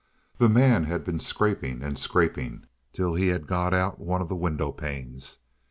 The man had been scraping and scraping till he had got out one of the window panes.